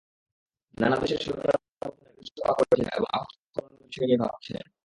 নানা দেশের সরকারপ্রধানেরা জরুরি সভা করেছেন এবং আপাতকরণীয় বিষয় নিয়ে ভাবছেন।